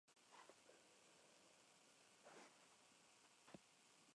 I Did It Again, en un programa de televisión de Hong Kong, la caridad.